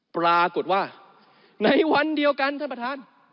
ปรากฏว่าในวันเดียวกันท่านประธาน